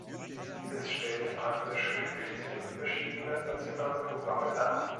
Es stellt praktisch fünfzehn verschiedene nationale Programme dar.